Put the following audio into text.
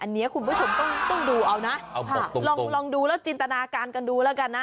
อันเนี้ยคุณผู้ชมต้องต้องดูเอานะเอาบอกตรงตรงลองลองดูแล้วจินตนาการกันดูแล้วกันนะ